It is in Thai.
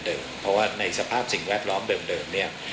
เพราะว่าในสภาพสิ่งแวดล้อมเดิมเนี่ย